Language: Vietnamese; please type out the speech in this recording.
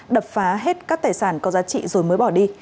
đập phá hết các tài sản có giá trị rồi mới bỏ đi